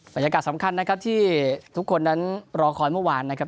บรรยากาศสำคัญนะครับที่ทุกคนนั้นรอคอยเมื่อวานนะครับ